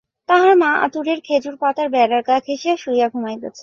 তাহার মা আঁতুড়ের খেজুর পাতার বেড়ার গা ঘেঁষিয়া শুইয়া ঘুমাইতেছে।